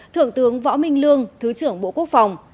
thượng tướng võ minh lương thứ trưởng bộ quốc phòng